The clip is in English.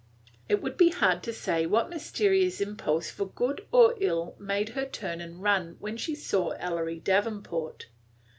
It would be hard to say what mysterious impulse for good or ill made her turn and run when she saw Ellery Davenport.